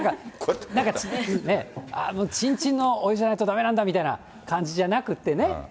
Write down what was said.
なんかね、ちんちんのお湯じゃないとだめなんだって感じじゃなくってね。